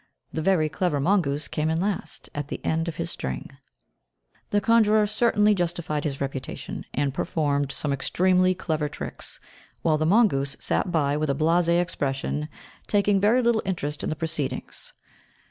The very clever mongoose came in last, at the end of his string. The conjurer certainly justified his reputation, and performed some extremely clever tricks, while the mongoose sat by with a blasé expression, taking very little interest in the proceedings.